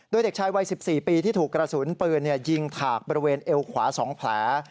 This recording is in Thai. โดยเด็กชายวัย๑๔ปีที่ถูกกระสุนปืนยิงถากบริเวณเอวขวา๒แผล